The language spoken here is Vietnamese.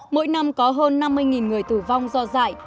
mỗi năm có hơn năm mươi người tử vong do dạy